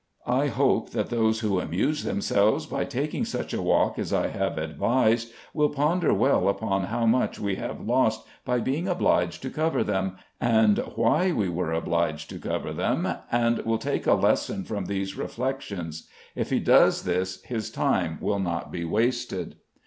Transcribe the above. I hope that those who amuse themselves by taking such a walk as I have advised, will ponder well upon how much we have lost by being obliged to cover them, and why we were obliged to cover them, and will take a lesson from these reflections. If he does that his time will not be wasted.